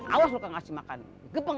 awas lu kena kasih makan